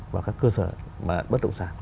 và các cơ sở mà bất động sản